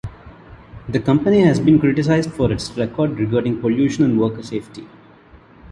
The company has been criticized for its record regarding pollution and worker safety.